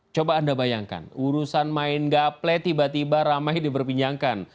coba anda bayangkan urusan main gaple tiba tiba ramai diperbincangkan